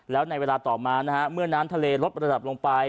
แล้วในเวลาต่อมานะฮะเมื่อน้ำทะเลลดระดับลงไป